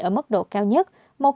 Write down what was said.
ở mức độ cao nhất